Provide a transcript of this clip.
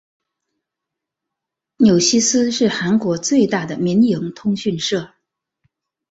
纽西斯是韩国最大的民营通讯社。